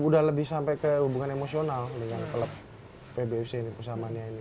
udah lebih sampai ke hubungan emosional dengan klub pbuc ini pusamania ini